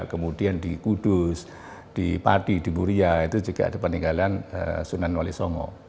kemudian di kudus di padi di buria itu juga ada peninggalan sunan wale songo